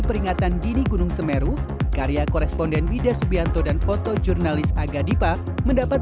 peringatan dini gunung semeru karya koresponden wida subianto dan foto jurnalis aga dipa mendapat